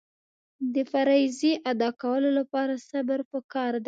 د فریضې ادا کولو لپاره صبر پکار دی.